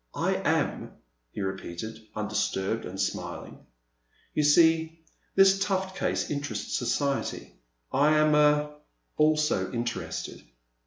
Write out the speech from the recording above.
I am," he repeated, undisturbed and smiling ;*' you see this Tufil case interests society. I am — er — also interested."